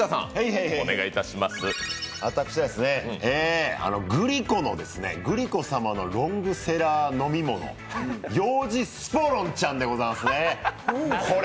私はグリコ様のロングセラー飲み物、幼児スポロンちゃんでございますね。